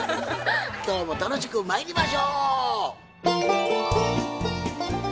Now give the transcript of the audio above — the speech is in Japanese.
今日も楽しくまいりましょう！